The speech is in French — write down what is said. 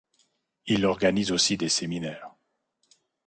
Il organise aussi des séminaires.